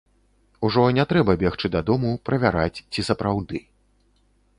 Ужо не трэба бегчы дадому правяраць, ці сапраўды.